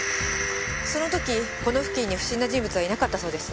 その時この付近に不審な人物はいなかったそうです。